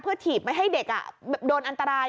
ถีบไม่ให้เด็กโดนอันตราย